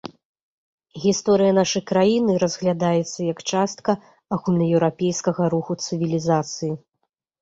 Гісторыя нашай краіны разглядаецца як частка агульнаеўрапейскага руху цывілізацыі.